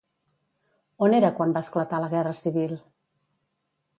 On era quan va esclatar la Guerra civil?